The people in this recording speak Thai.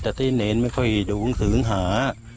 แต่ที่เน้นมาค่อยดูถึงหา